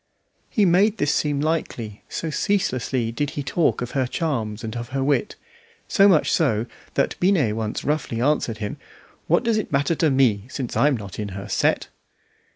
He made this seem likely, so ceaselessly did he talk of her charms and of her wit; so much so, that Binet once roughly answered him "What does it matter to me since I'm not in her set?"